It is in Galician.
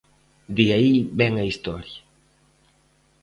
De aí ben a historia.